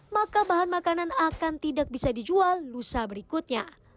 maka bahan makanan akan tidak bisa dijual lusa berikutnya